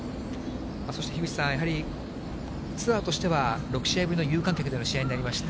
そして樋口さん、やはりツアーとしては、６試合ぶりの有観客での試合になりました。